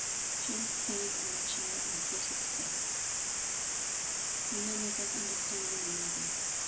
James sank on a chair and hid his face. "We none of us understand one another.